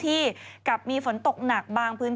พี่ชอบแซงไหลทางอะเนาะ